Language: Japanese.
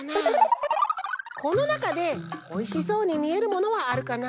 このなかでおいしそうにみえるものはあるかな？